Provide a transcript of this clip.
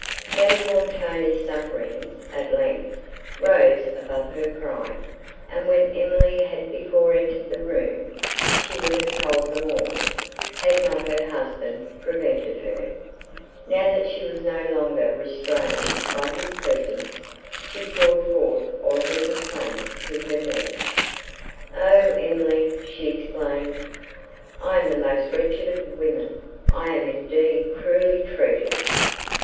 Madame Montoni's sufferings, at length, rose above her pride, and, when Emily had before entered the room, she would have told them all, had not her husband prevented her; now that she was no longer restrained by his presence, she poured forth all her complaints to her niece. "O Emily!" she exclaimed, "I am the most wretched of women—I am indeed cruelly treated!